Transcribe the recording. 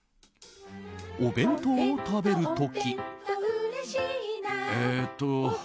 お弁当を食べる時。